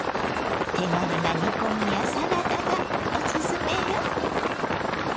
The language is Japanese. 手軽な煮込みやサラダがおすすめよ。